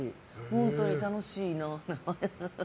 本当に楽しいな。